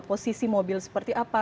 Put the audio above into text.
posisi mobil seperti apa